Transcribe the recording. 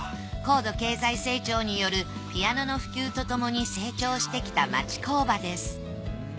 高度経済成長によるピアノの普及とともに成長してきた町工場です